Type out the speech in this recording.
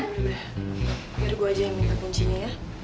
biar gue aja yang minta kuncinya ya